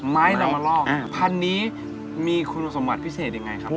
นำมาลอกพันธุ์นี้มีคุณสมบัติพิเศษยังไงครับ